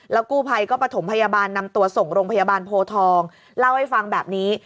กู้ภัยก็ประถมพยาบาลนำตัวส่งโรงพยาบาลโพทองเล่าให้ฟังแบบนี้